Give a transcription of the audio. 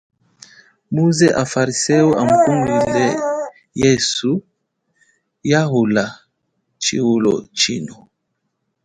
Muze afarisewu akungulukile yesu yahula chihulo chino.